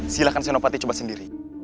silahkan senopati coba sendiri